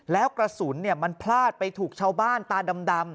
แล้วกระสุนมันพลาดไปถูกชาวบ้านตาดำ